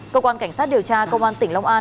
cơ quan cảnh sát điều tra công an tỉnh long an